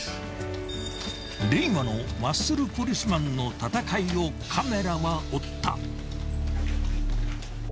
［令和のマッスルポリスマンの戦いをカメラは追った］